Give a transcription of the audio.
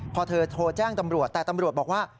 พอเธอโทรแจ้งตำรวจแต่ตำรวจบอกว่า